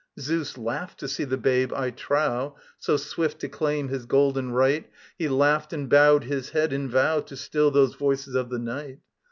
Zeus laughed to see the babe, I trow, So swift to claim his golden rite; He laughed and bowed his head, in vow To still those voices of the night.